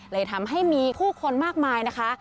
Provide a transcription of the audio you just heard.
เลยทำให้มีผู้คนมากมายนะคะ